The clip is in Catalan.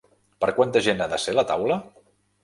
Per quanta gent ha de ser la taula?